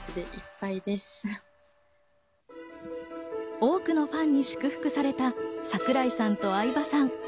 多くのファンに祝福された櫻井さんと相葉さん。